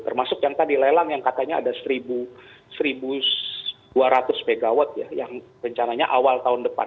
termasuk yang tadi lelang yang katanya ada satu dua ratus mw yang rencananya awal tahun depan